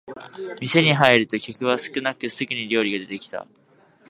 店に入ると客は少なくすぐに料理が出てきた